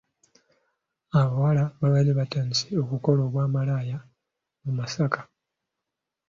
Abawala babadde batandise okukola obwamalaaya mu Masaka.